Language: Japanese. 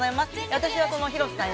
私はその広瀬さん